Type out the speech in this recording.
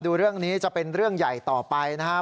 ดูเรื่องนี้จะเป็นเรื่องใหญ่ต่อไปนะครับ